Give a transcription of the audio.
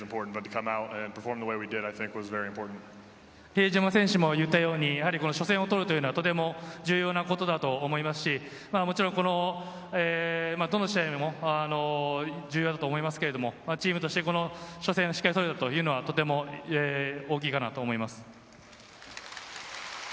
比江島選手も言ったように、この初戦を取るというのはとても重要なことだと思いますし、どの試合でも重要だと思いますけれども、チームとして初戦をしっかり取れたというのは、とても大きいかなと思います。